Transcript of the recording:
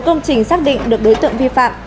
công trình xác định được đối tượng vi phạm